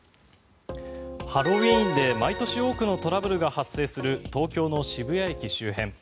ハロウィーンで毎年多くのトラブルが発生する東京の渋谷駅周辺。